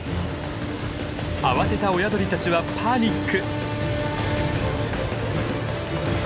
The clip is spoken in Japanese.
慌てた親鳥たちはパニック！